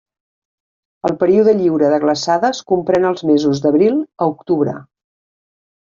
El període lliure de glaçades comprèn els mesos d'abril a octubre.